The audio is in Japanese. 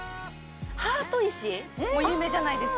ハート石も有名じゃないです